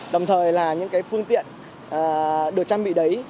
đồng thời là những cái phương tiện được trang bị đấy